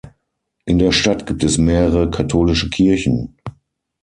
In der Stadt gibt es mehrere katholische Kirchen.